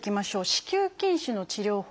子宮筋腫の治療法。